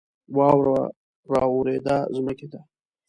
واوره را اوورېده ځمکې ته